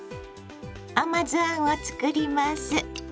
甘酢あんを作ります。